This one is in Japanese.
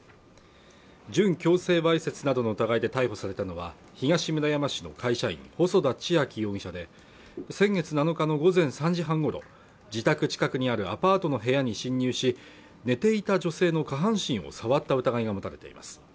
準強制わいせつなどの疑いで逮捕されたのは東村山市の会社員細田知暁容疑者で先月７日の午前３時半ごろ自宅近くにあるアパートの部屋に侵入し寝ていた女性の下半身を触った疑いが持たれています